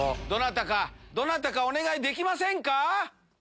どなたかお願いできませんか？